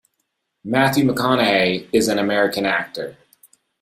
Matthew McConaughey is an American actor.